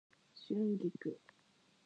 春菊